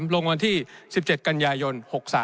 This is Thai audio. ลงวันที่๑๗กันยายน๖๓